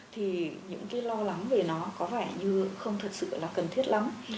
thì những cái lo lắng về nó có vẻ như không thật sự là cần thiết lắm